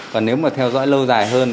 còn nếu mà theo dõi lâu dài hơn